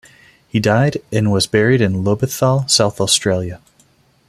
He died and was buried at Lobethal, South Australia.